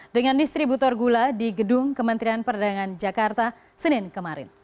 dengan distributor gula di gedung kementerian perdagangan jakarta senin kemarin